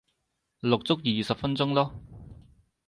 錄足二十分鐘咯